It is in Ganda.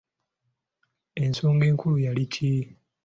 Ensonga enkulu yali ki?